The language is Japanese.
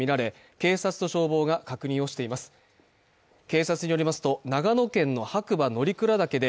警察によりますと、長野県の白馬・乗鞍岳で